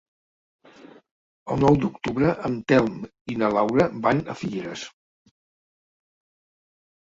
El nou d'octubre en Telm i na Laura van a Figueres.